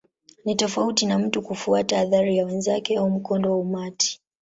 Ni tofauti na mtu kufuata athari ya wenzake au mkondo wa umati.